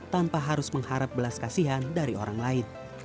tanpa harus mengharap belas kasihan dari orang lain